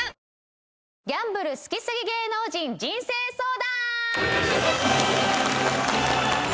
ギャンブル好きすぎ芸能人人生相談！